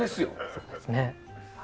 そうですね。